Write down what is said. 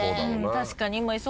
確かに。